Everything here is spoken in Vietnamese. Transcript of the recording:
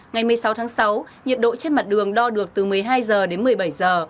ngày một mươi sáu tháng sáu nhiệt độ trên mặt đường đo được từ một mươi hai giờ đến một mươi bảy giờ